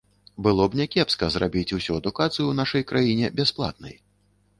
Было б някепска зрабіць усю адукацыю ў нашай краіне бясплатнай.